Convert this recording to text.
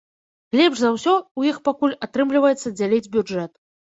Лепш за ўсё ў іх пакуль атрымліваецца дзяліць бюджэт.